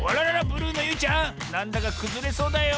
ブルーのゆいちゃんなんだかくずれそうだよ。